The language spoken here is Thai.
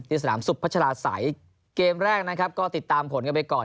สนามสุขพัชลาศัยเกมแรกนะครับก็ติดตามผลกันไปก่อน